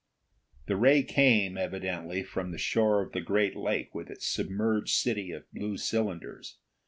The ray came, evidently, from the shore of the great lake with its submerged city of blue cylinders.